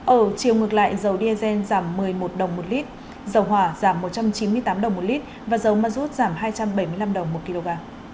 ở chiều ngược lại dầu diesel giảm một mươi một đồng một lít dầu hỏa giảm một trăm chín mươi tám đồng một lít và dầu ma rút giảm hai trăm bảy mươi năm đồng một kg